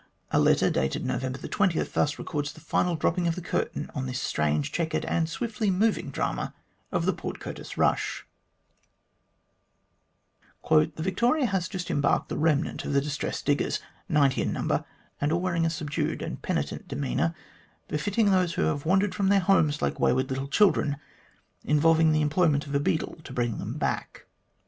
A letter, dated November 20, thus records the final dropping of the curtain on this strange, chequered, and swiftly moving drama of the Port Curtis rush :" The Victoria has just embarked the remnant of the distressed diggers, ninety in number, and all wearing a subdued and penitent demeanour, befitting those who have wandered from their homes like wayward little children, involving the employment of a beadle to bring them back."